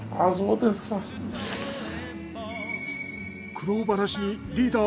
苦労話にリーダー